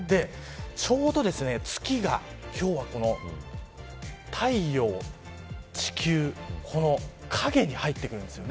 ちょうど、月が今日は、この太陽、地球この影に入ってくるんです。